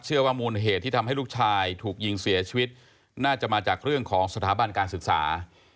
มูลเหตุที่ทำให้ลูกชายถูกยิงเสียชีวิตน่าจะมาจากเรื่องของสถาบันการศึกษา